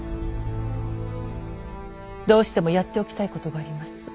どうしてもやっておきたいことがあります。